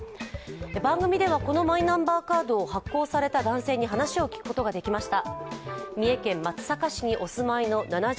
番組ではこのマイナンバーカードを発行された男性に話を聞くことができました。